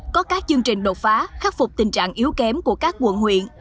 có các chương trình đột phá khắc phục tình trạng yếu kém của các quận huyện